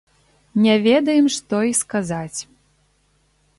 Не ведаем, што і сказаць.